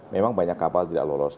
memang banyak kapal tidak lolos